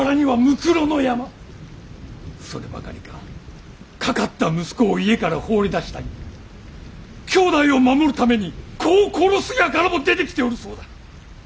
そればかりかかかった息子を家から放り出したり兄弟を守るために子を殺す輩も出てきておるそうだ。